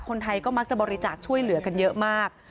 คนไทยก็มักจะบริจาคช่วยเหลือกันเยอะมาก